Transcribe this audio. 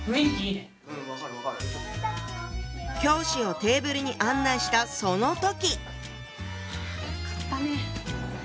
教師をテーブルに案内したその時！